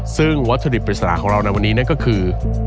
ซึ่งวัตถุดิบปริศนาของเราในวันนี้นั่นก็คือ